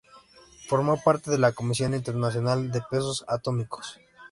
Formó parte de la Comisión Internacional de Pesos Atómicos.